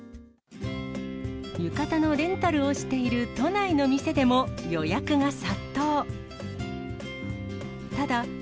浴衣のレンタルをしている都内の店でも予約が殺到。